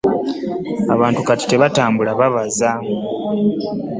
Abantu kati batambula babaza.